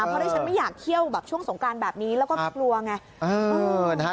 เพราะที่ฉันไม่อยากเที่ยวแบบช่วงสงการแบบนี้แล้วก็ไม่กลัวไง